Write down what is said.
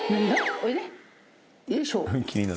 おいでよいしょ。